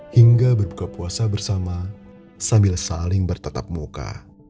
hingga berbuka puasa bersama sambil saling bertatap muka